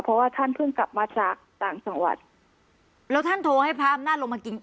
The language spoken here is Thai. เพราะว่าท่านเพิ่งกลับมาจากต่างจังหวัดแล้วท่านโทรให้พระอำนาจลงมากิน